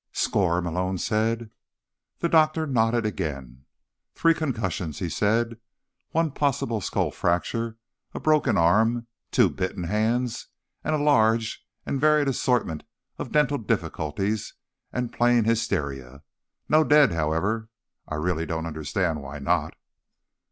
"Score?" Malone said. The doctor nodded again. "Three concussions," he said, "one possible skull fracture, a broken arm, two bitten hands, and a large and varied assortment of dental difficulties and plain hysteria. No dead, however. I really don't understand why not."